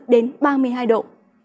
đến ba mươi hai độ